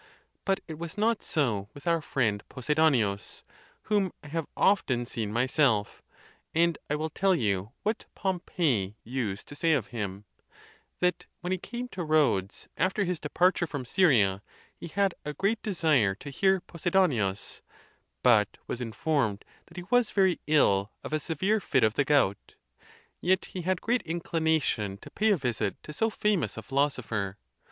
But it was not so with our friend Posidonius, whom I have often seen myself; and I will tell you what Pompey used to say of him: that when he came to Rhodes, after his departure from Syria, he had a great desire to hear Posidonius, but was informed that he was very ill of a se vere fit of the gout; yet he had great inclination to pay a visit to so famous a philosopher.